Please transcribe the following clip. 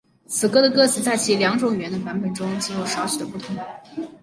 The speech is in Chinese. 此歌的歌词在其两种语言的版本中仅有少许的不同。